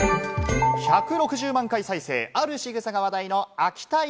１６０万回再生、あるしぐさが話題の秋田犬。